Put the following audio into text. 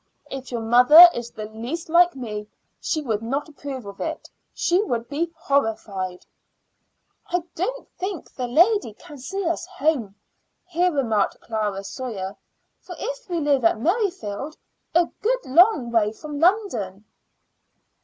"If your mother is the least like me she would not approve of it; she would be horrified." "I don't think the lady can see us home," here remarked Clara Sawyer, "for we live at Merrifield, a good long way from London."